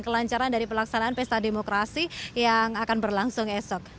kelancaran dari pelaksanaan pesta demokrasi yang akan berlangsung esok